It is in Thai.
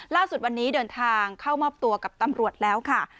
ล่าสุดวันนี้เดินทางเข้ามอบตัวกับตำรวจแล้วค่ะ